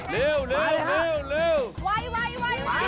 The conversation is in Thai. ลึกไว